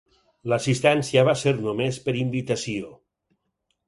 L'assistència va ser només per invitació.